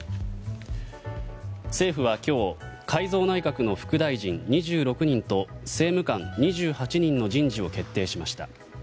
政府は今日、改造内閣の副大臣２６人と政務官２８人の人事を決定しました。